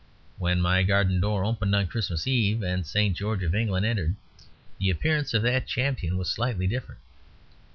When my garden door opened on Christmas Eve and St. George of England entered, the appearance of that champion was slightly different.